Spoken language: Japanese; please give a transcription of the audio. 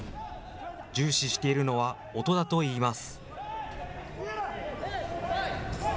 重視しているのは音だといいます。